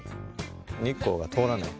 日光が通らない。